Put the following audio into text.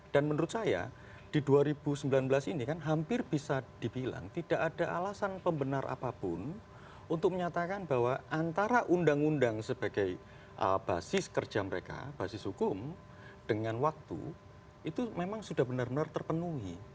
dan menurut saya di dua ribu sembilan belas ini kan hampir bisa dibilang tidak ada alasan pembenar apapun untuk menyatakan bahwa antara undang undang sebagai basis kerja mereka basis hukum dengan waktu itu memang sudah benar benar terpenuhi